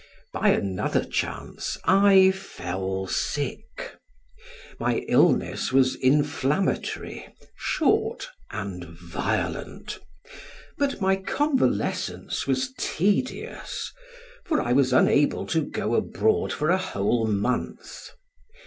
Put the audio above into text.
By another chance I fell sick; my illness was inflammatory, short and violent, but my convalescence was tedious, for I was unable to go abroad for a whole month.